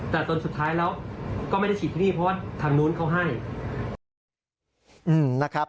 แต่สุดท้ายก็ไม่ได้ฉีดที่นี่เพราะทางนู้นเขาให้